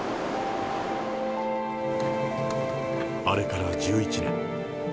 あれから１１年。